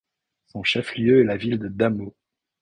Son chef-lieu est la ville de Damoh.